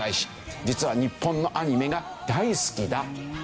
実は日本のアニメが大好きだというんですね。